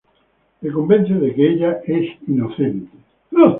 Le convence de que ella es inocente.